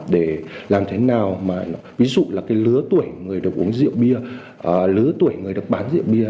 để làm thế nào mà ví dụ là cái lứa tuổi người được uống rượu bia lứa tuổi người được bán rượu bia